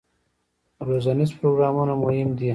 روزنیز پروګرامونه مهم دي